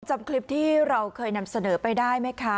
จำคลิปที่เราเคยนำเสนอไปได้ไหมคะ